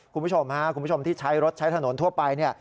คุณผู้ชมที่ใช้รถใช้ถนนทั่วไปเนี่ย